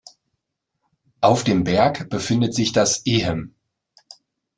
Auf dem Berg befindet sich das ehem.